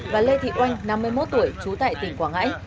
và lê thị oanh năm mươi một tuổi trú tại tỉnh quảng ngãi